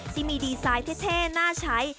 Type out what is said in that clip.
ที่มีดีไซน์เท่น่าใช้